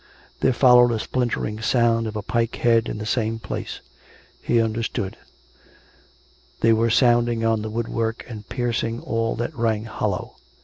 There followed a splintering sound of a pike head in the same place. He 396 COME RACK! COME ROPE! understood. They were sounding on the woodwork and piercing all that rang hollow.